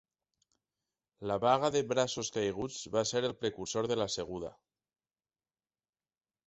La vaga de braços caiguts va ser el precursor de la seguda.